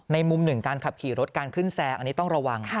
มุมหนึ่งการขับขี่รถการขึ้นแซงอันนี้ต้องระวัง